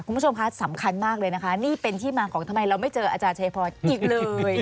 คุณผู้ชมคะสำคัญมากเลยนะคะนี่เป็นที่มาของทำไมเราไม่เจออาจารย์ชัยพรอีกเลย